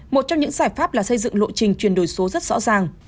một trong những giải pháp là xây dựng lộ trình chuyển đổi số rất rõ ràng